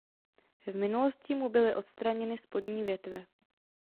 V minulosti mu byly odstraněny spodní větve.